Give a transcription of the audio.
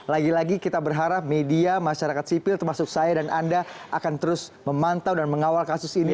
lagi lagi kita berharap media masyarakat sipil termasuk saya dan anda akan terus memantau dan mengawal kasus ini